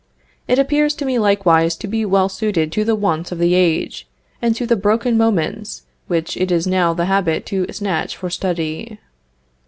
It appears to me likewise to be well suited to the wants of the age, and to the broken moments which it is now the habit to snatch for study.